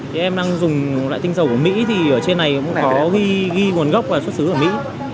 thì em đang dùng loại tinh dầu của mỹ thì ở trên này cũng có ghi ghi nguồn gốc và xuất xứ ở mỹ